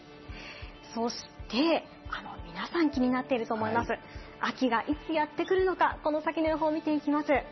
そして、皆さん気になっていると思います、秋がいつやってくるのか、この先の予報を見ていきます。